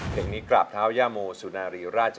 เพลงนี้กราบเท้าย่าโมสุนารีราช